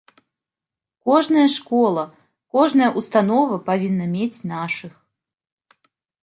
Кожная школа, кожная ўстанова павінна мець нашых.